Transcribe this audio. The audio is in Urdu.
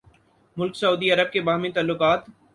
ملک سعودی عرب کے باہمی تعلقات